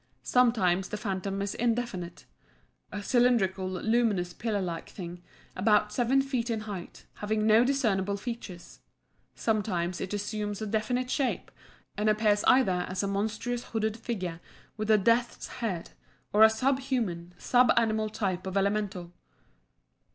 Sometimes the phantom is indefinite a cylindrical, luminous, pillar like thing, about seven feet in height, having no discernible features; sometimes it assumes a definite shape, and appears either as a monstrous hooded figure with a death's head, or as a sub human, sub animal type of Elemental.